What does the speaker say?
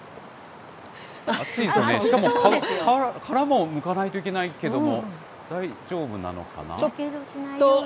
熱いよね、しかも殻もむかないといけないけれども、大丈夫なのかな。